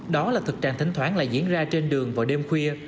đó là thực trạng thỉnh thoảng lại diễn ra trên đường vào đêm khuya